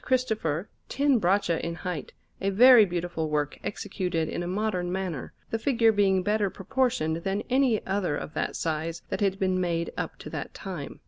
Cristopher ten braccia in height, a very beautiful work executed in a modern manner, the figure being better proportioned than any other of that size that had been made up to that time.